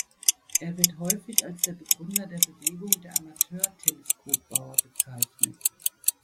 Er wird häufig als der Begründer der Bewegung der Amateur-Teleskopbauer bezeichnet.